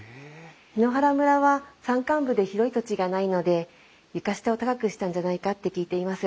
檜原村は山間部で広い土地がないので床下を高くしたんじゃないかって聞いています。